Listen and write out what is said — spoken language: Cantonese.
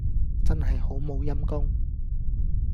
真係好冇陰公